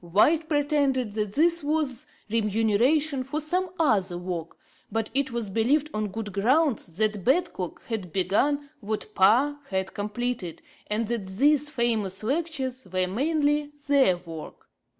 White pretended that this was remuneration for some other work; but it was believed on good grounds that Badcock had begun what Parr had completed, and that these famous Lectures were mainly their work.